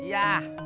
maaf ya mas pur